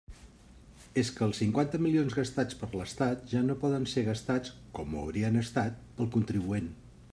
És que els cinquanta milions gastats per l'estat ja no poden ser gastats, com ho haurien estat, pel contribuent.